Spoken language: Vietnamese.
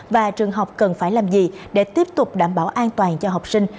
và trường học cần phải làm gì để tiếp tục đảm bảo an toàn cho học sinh